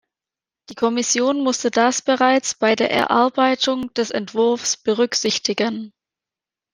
Die Kommission musste das bereits bei der Erarbeitung des Entwurfs berücksichtigen.